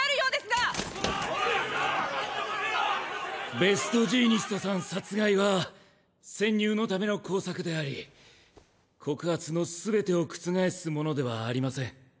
ベストジーニストさん殺害は潜入の為の工作であり告発の全てを覆すものではありません。